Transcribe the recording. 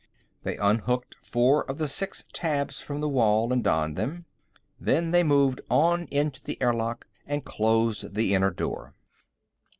They unhooked four of the six tabs from the wall and donned them. Then they moved on into the airlock and closed the inner door.